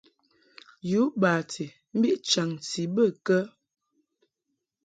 U bati mbiʼ chanti bə kə ?